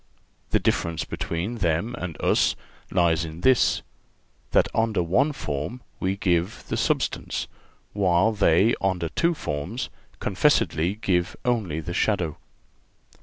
The difference between them and us lies in this—that under one form we give the substance, while they under two forms confessedly give only the shadow.